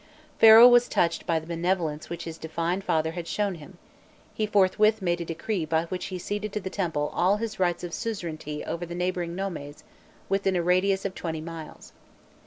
Pharaoh was touched by the benevolence which his divine father had shown him; he forthwith made a decree by which he ceded to the temple all his rights of suzerainty over the neighbouring nomes within a radius of twenty miles.